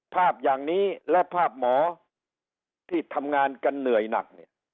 ภาพอย่างนี้และภาพหมอที่ทำงานกันเหนื่อยหนักเนี่ย